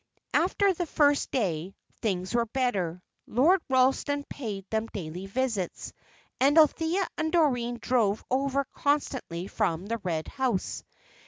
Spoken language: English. After the first day, things were better. Lord Ralston paid them daily visits, and Althea and Doreen drove over constantly from the Red House.